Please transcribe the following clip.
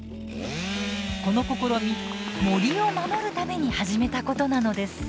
この試み森を守るために始めたことなのです。